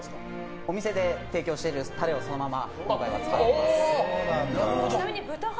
お店で提供しているタレを今回はそのまま使っています。